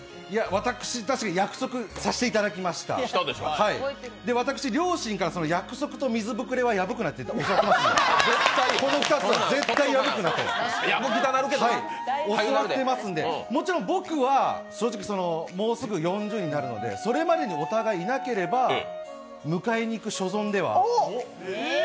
私、確かに約束させていただきました、私、両親から約束と水ぶくれは破くなと教わってますのでもちろん僕は、正直、もうすぐ４０になるのでそれまでにお互い、いなければ迎えにいく所存ではある。